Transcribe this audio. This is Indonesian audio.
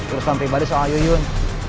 urusan pribadi soal yuyun